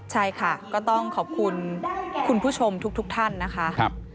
ใช่ค่ะก็ต้องขอบคุณคุณผู้ชมทุกท่านนะคะ